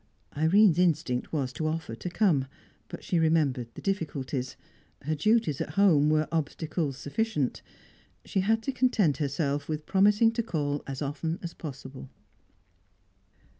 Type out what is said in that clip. Irene's instinct was to offer to come, but she remembered the difficulties. Her duties at home were obstacles sufficient. She had to content herself with promising to call as often as possible.